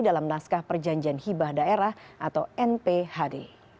dalam naskah perjanjian hibah daerah atau nphd